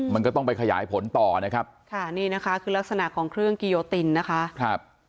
มันก็ต้องไปขยายผลต่อนะครับค่ะนี่นะคะคือลักษณะของเครื่องกิโยตินนะคะครับ